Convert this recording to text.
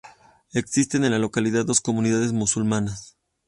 Existen en la localidad dos comunidades musulmanas.